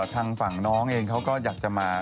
ทางฝั่งน้องเองเขาก็อยากจะมา